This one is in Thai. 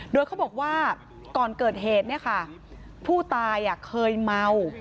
โดยเขาบอกว่าก่อนเกิดเหตุผู้ตายเคยเมา